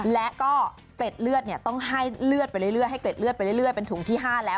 และก็เกร็ดเลือดต้องให้เลือดไปเรื่อยให้เกร็ดเลือดไปเรื่อยเป็นถุงที่๕แล้ว